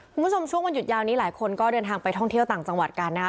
คุณผู้ชมช่วงวันหยุดยาวนี้หลายคนก็เดินทางไปท่องเที่ยวต่างจังหวัดกันนะคะ